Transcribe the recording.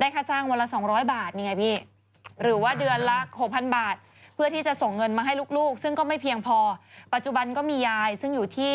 ได้ค่าจ้างวันละ๒๐๐บาทนี่ไงพี่